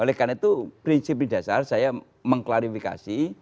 oleh karena itu prinsip di dasar saya mengklarifikasi